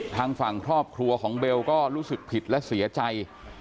ทางฝั่งครอบครัวของเบลก็รู้สึกผิดและเสียใจ